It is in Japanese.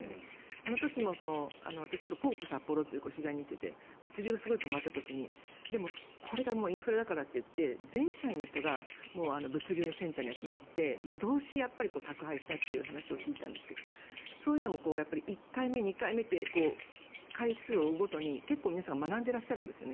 あの時も私、コープさっぽろに取材に行っていて物流がすごい止まった時にこれがインフラだからといって全社員の人が物流のセンターに集まって夜通し宅配したという話を聞いたんですけどそういうのも１回目、２回目って回数を追うごとに皆さん学んでらっしゃるんですよね。